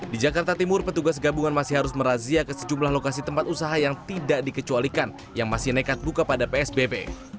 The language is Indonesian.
di jakarta timur petugas gabungan masih harus merazia ke sejumlah lokasi tempat usaha yang tidak dikecualikan yang masih nekat buka pada psbb